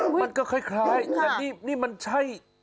มันก็คล้ายแต่นี่มันใช่